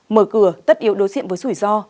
mở cửa tất yếu đối diện với rủi ro